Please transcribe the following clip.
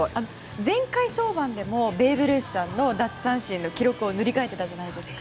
前回登板でもベーブ・ルースさんの奪三振の記録を塗り替えていたじゃないですか。